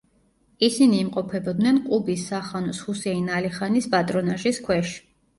ისინი იმყოფებოდნენ ყუბის სახანოს ჰუსეინ ალი ხანის პატრონაჟის ქვეშ.